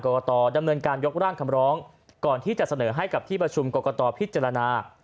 กตดำเนินการยกร่างคำร้องก่อนที่จะเสนอให้กับที่ประชุมกรกตพิจารณา